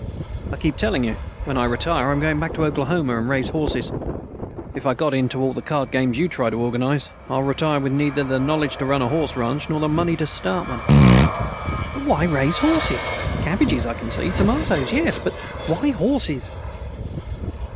"I keep telling you. When I retire, I'm going back to Oklahoma and raise horses. If I got into all the card games you try to organize, I'd retire with neither the knowledge to run a horse ranch, nor the money to start one." "But why raise horses? Cabbages, I can see. Tomatoes, yes. But why horses?"